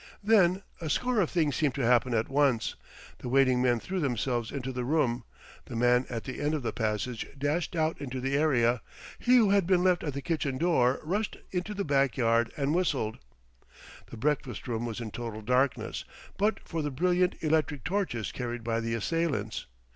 Then a score of things seemed to happen at once. The waiting men threw themselves into the room, the man at the end of the passage dashed out into the area, he who had been left at the kitchen door rushed into the back yard and whistled. The breakfast room was in total darkness; but for the brilliant electric torches carried by the assailants.